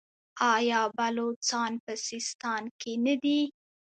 آیا بلوڅان په سیستان کې نه دي؟